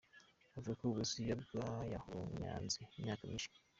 Avuga ko Uburusiya "bwayahonyanze imyaka myinshi".